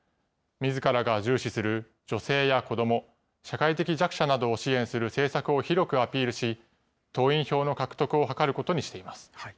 みずからが重視する女性や子ども、社会的弱者などを支援する政策を広くアピールし、党員票の獲得を図ることにしています。